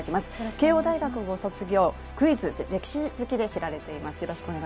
慶応大学ご卒業、クイズ、歴史好きで知られています。